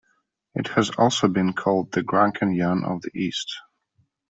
It has also been called "The Grand Canyon of the East".